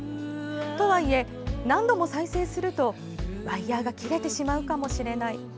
とはいえ、何度も再生するとワイヤーが切れてしまうかもしれない。